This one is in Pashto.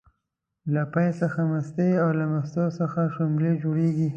له پی څخه مستې او له مستو څخه شلومبې جوړيږي